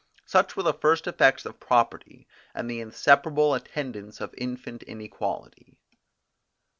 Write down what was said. Such were the first effects of property, and the inseparable attendants of infant inequality.